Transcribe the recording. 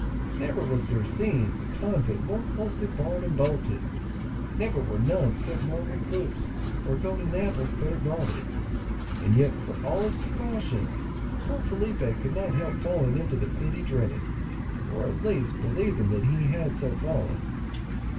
Never was there seen a convent more closely barred and bolted; never were nuns kept more recluse, or golden apples better guarded; and yet for all his precautions poor Felipe could not help falling into the pit he dreaded,—or at least believing that he had so fallen.